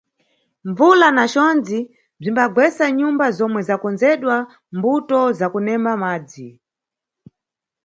Mbvula na condzi bzimbagwesa nyumba zomwe zakondzedwa mʼmbuto za kudemba madzi.